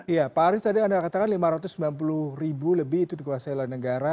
iya pak arief tadi anda katakan lima ratus sembilan puluh ribu lebih itu dikuasai oleh negara